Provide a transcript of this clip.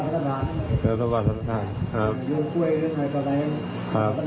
เรื่องอะไรสมบัติสัตว์ภาษา